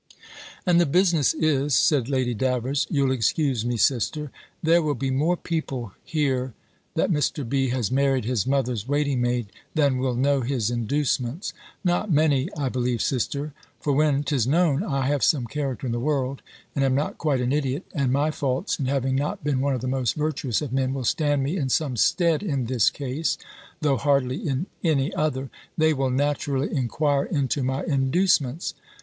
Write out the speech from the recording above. "And the business is," said Lady Davers "You'll excuse me, sister There will be more people hear that Mr. B. has married his mother's waiting maid, than will know his inducements." "Not many, I believe, sister. For when 'tis known, I have some character in the world, and am not quite an idiot (and my faults, in having not been one of the most virtuous of men, will stand me in some stead in this case, though hardly in any other) they will naturally enquire into my inducements.